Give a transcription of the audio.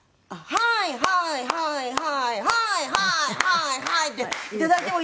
はいはいはいはい。